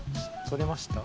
撮れました。